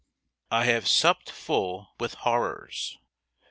I have supped full with horrors.